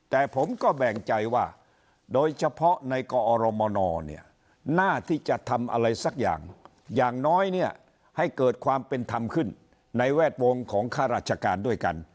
แต่ผมก็แบ่งใจว่าโดยเฉพาะในกอรมนเนี่ยน่าที่จะทำอะไรสักอย่างอย่างน้อยเนี่ยให้เกิดความเป็นธรรมขึ้นในแวดวงของข้าราชการด้วยกัน